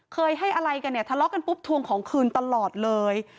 เคยให้อะไรกันเนี่ยทะเลาะกันปุ๊บทวงของคืนตลอดเลย